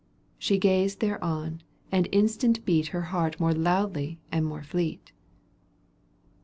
She gazed thereon, and instant beat Her heart more loudly and more fleet.